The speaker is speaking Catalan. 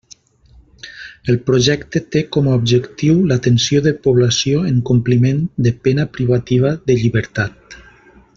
El projecte té com a objectiu l'atenció de població en compliment de pena privativa de llibertat.